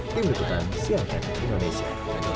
tim leputan siangkan indonesia